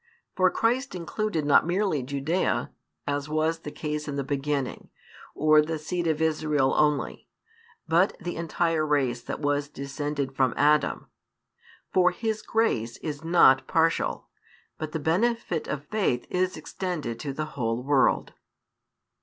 For Christ included not merely Judaea, as was the case in the beginning, or the seed of Israel only, but the entire race that was descended from Adam. For His grace is not partial, but the benefit of faith is extended to the whole world.